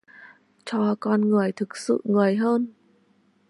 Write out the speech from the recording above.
Cho con người thực sự Người hơn.